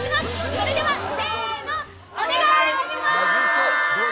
それではお願いします。